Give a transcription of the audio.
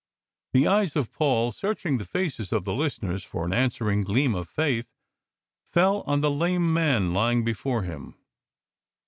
The eyes of Paul, searching the faces of the listeners for an answering gleam of faith, fell on the lame man lying before him.